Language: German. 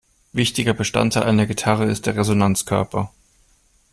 Wichtiger Bestandteil einer Gitarre ist der Resonanzkörper.